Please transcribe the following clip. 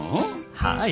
はい。